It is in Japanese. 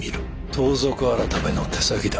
盗賊改の手先だ。